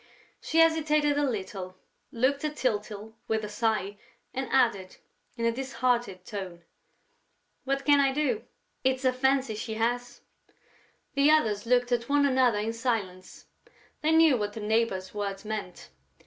She hesitated a little, looked at Tyltyl with a sigh and added, in a disheartened tone: "What can I do? It's a fancy she has...." The others looked at one another in silence: they knew what the neighbor's words meant.